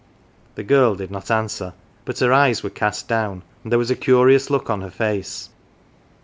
The girl did not answer; her eyes were cast down, and there was a curious look on her face.